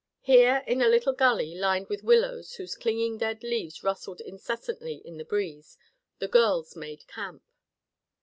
Here, in a little gully lined with willows whose clinging dead leaves rustled incessantly in the breeze, the girls made camp.